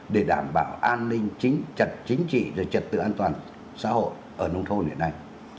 để đảm bảo an ninh trật chính trị và trật tự an toàn xã hội ở nông thôn hiện nay